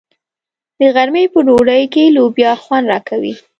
د غرمې په ډوډۍ کې لوبیا خوند راکوي.